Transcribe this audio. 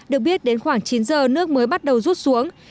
được biết đến khoảng chín giờ nước mới bắt đầu rút xuống